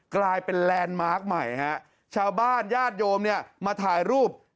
กลายเป็นแลนด์มาร์คใหม่ฮะชาวบ้านญาติโยมเนี่ยมาถ่ายรูป